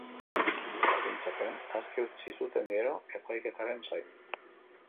Baldintzapean aske utzi zuten gero, epaiketaren zain.